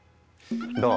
どう？